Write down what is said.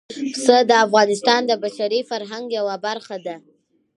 پسه د افغانستان د بشري فرهنګ یوه برخه ده.